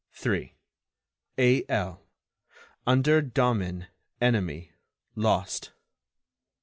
3. A.L. Under domin. enemy. Lost.